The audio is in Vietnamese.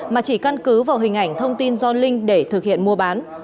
mà chỉ căn cứ vào hình ảnh thông tin do linh để thực hiện mua bán